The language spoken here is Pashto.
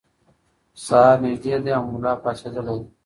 سهار نږدې دی او ملا پاڅېدلی دی.